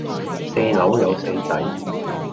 四樓有四仔